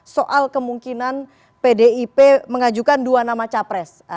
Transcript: soal kemungkinan pdip mengajukan dua nama capres